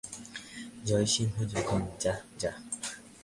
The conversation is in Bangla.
জয়সিংহ যখন যাহা যাহ।